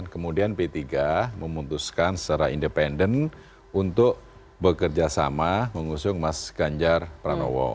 kemudian p tiga memutuskan secara independen untuk bekerja sama mengusung mas ganjar pranowo